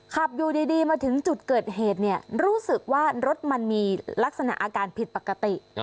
ขับอยู่ดีมาถึงจุดเกิดเหตุเนี่ยรู้สึกว่ารถมันมีลักษณะอาการผิดปกติ